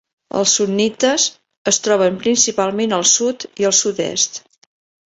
Els sunnites es troben principalment al sud i al sud-est.